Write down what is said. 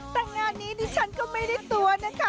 แต่งานนี้ดิฉันก็ไม่ได้ตัวนะคะ